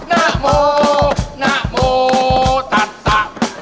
นมโมนมโมนมโม